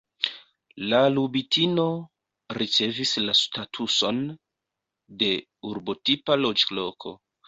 La Lubitino ricevis la statuson de urbotipa loĝloko.